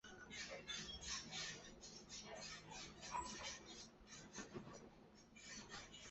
本章节中所示内容均因该栏目已停播而失效